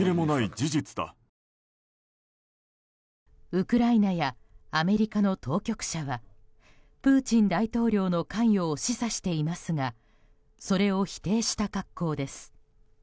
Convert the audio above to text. ウクライナやアメリカの当局者はプーチン大統領の関与を示唆していますがそれを否定した格好です。